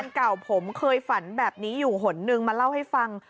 เก่าผมเคยฝันแบบนี้อยู่หนนึงมาเล่าให้ฟัง